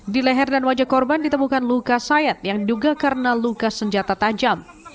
di leher dan wajah korban ditemukan luka sayat yang diduga karena luka senjata tajam